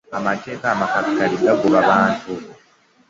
Amateeka amakakali gagoba bantu.